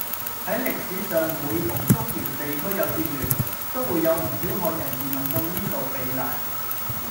喺歷史上每逢中原地區有戰亂，都會有唔少漢人移民到呢度避難